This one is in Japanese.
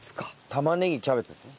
玉ねぎキャベツですね。